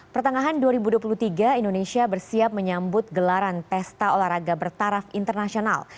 pertengahan dua ribu dua puluh tiga indonesia bersiap menyambut gelaran pesta olahraga bertaraf internasional